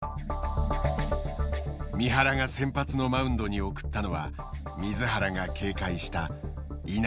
三原が先発のマウンドに送ったのは水原が警戒した稲尾だった。